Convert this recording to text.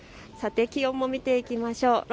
気温を見ていきましょう。